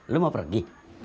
lo mau pergi